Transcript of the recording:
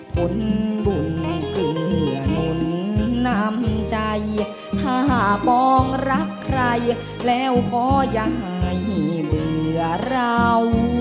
ผลดุลเกลือหนุนนำใจถ้าป้องรักใครแล้วขอยายเหลือเรา